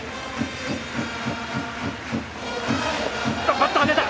バットが出た。